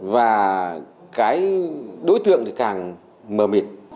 và cái đối tượng thì càng mờ mịt